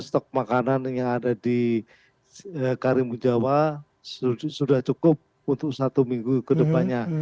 stok makanan yang ada di karimun jawa sudah cukup untuk satu minggu ke depannya